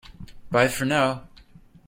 Bye for now!